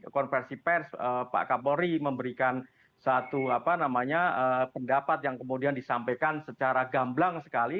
konversi pers pak kapolri memberikan satu pendapat yang kemudian disampaikan secara gamblang sekali